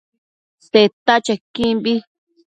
Seta chequimbi